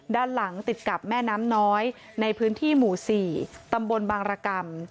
ด้านหลังติดกับแม่น้ำน้อยในพื้นที่หมู่๔ตำบลบางรกรรม